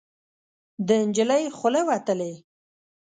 د نجلۍ خوله وتلې